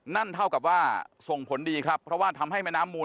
นั่นเท่ากันว่า